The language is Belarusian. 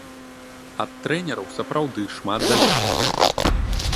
Ад трэнераў сапраўды шмат залежыць.